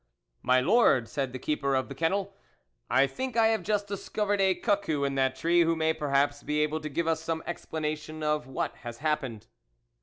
" My Lord," said the keeper of the kennel, " I think I have just discovered a cuckoo in that tree who may perhaps be able to give us some explanation of what has happened."